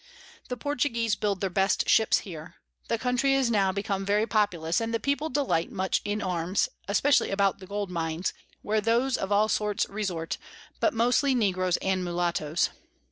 The Portuguese build their best Ships here: The Country is now become very populous, and the People delight much in Arms, especially about the Gold Mines, where those of all sorts resort, but mostly Negroes and Molattoes.